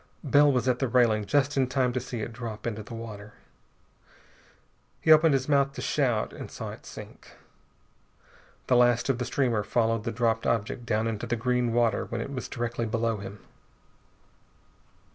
Bell was at the railing just in time to see it drop into the water. He opened his mouth to shout, and saw it sink. The last of the streamer followed the dropped object down into the green water when it was directly below him.